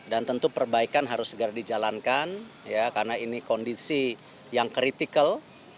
dan tentu perbaikan harus segera dijalankan karena ini kondisi yang kritikal